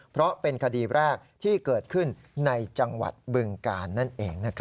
เพราะเป็นคดีแรกที่เกิดขึ้นในจังหวัดบึงกาลนั่นเอง